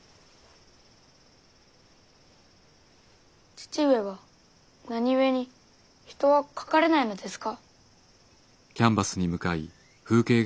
父上は何故に人は描かれないのですか？